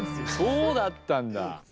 そうだったんだ！